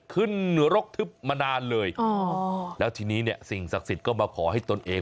รกทึบมานานเลยอ๋อแล้วทีนี้เนี่ยสิ่งศักดิ์สิทธิ์ก็มาขอให้ตนเอง